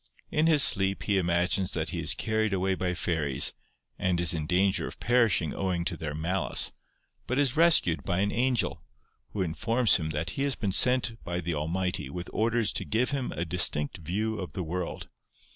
In his sleep he imagines that he is carried away by fairies, and is in danger of perishing owing to their malice, but is rescued by an angel, who informs him that he has been sent by the Almighty with orders to give him a distinct view of the world.